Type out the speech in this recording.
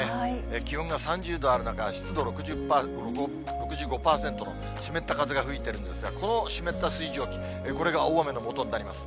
気温が３０度ある中、湿度６５％の湿った風が吹いてるんですが、この湿った水蒸気、これが大雨のもとになります。